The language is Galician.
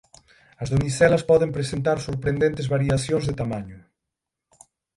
As donicelas poden presentar sorprendentes variacións de tamaño.